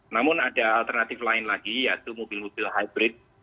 namun ada alternatif lain lagi yaitu mobil mobil hybrid